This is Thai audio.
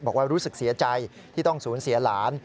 บอกว่ารู้สึกเสียใจที่ต้องสูญเสียหลาน